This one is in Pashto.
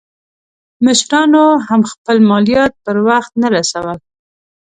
مشرانو هم خپل مالیات پر وخت نه رسول.